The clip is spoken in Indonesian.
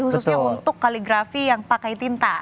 khususnya untuk kaligrafi yang pakai tinta